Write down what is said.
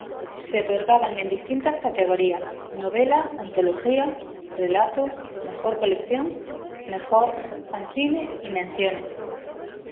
Se otorgaban en distintas categorías: Novela, Antología, Relato, Mejor colección, Mejor Fanzine, y Menciones.